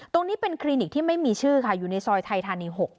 ตรงนี้เป็นคลินิกที่ไม่มีชื่อค่ะอยู่ในซอยไทยธานี๖